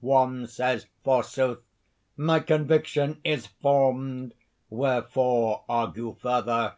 One says, forsoth: 'My conviction is formed! wherefore argue further?'